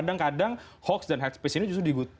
kadang kadang hoax dan head speech ini justru diguntungkan